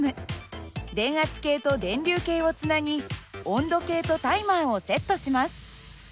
電圧計と電流計をつなぎ温度計とタイマーをセットします。